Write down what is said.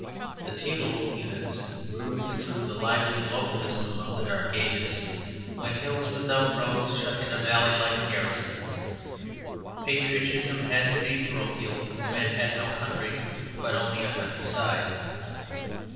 The feudal units grew through the lively localism of the Dark Ages, when hills without roads shut in a valley like a garrison. Patriotism had to be parochial; for men had no country, but only a countryside.